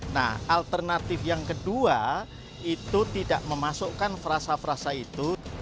nah alternatif yang kedua itu tidak memasukkan frasa frasa itu